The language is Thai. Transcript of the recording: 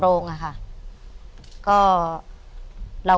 สวัสดีครับ